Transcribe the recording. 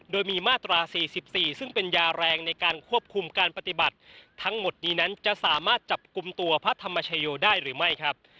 โดยมีมาตรา๔๔ซึ่งเป็นยาแรงในการควบคุมการปฏิบัติทั้งหมดนี้นั้นจะสามารถจับกลุ่มตัวพระธรรมชโยได้หรือไม่ครับ